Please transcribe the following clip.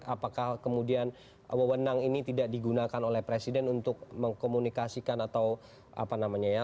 apakah kemudian wewenang ini tidak digunakan oleh presiden untuk mengkomunikasikan atau apa namanya ya